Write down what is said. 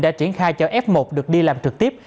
đã triển khai cho f một được đi làm trực tiếp